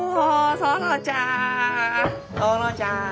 園ちゃん！